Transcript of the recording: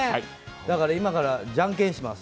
だから今からじゃんけんします。